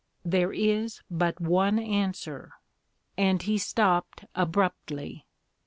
There is but one answer " and he stopped abruptly.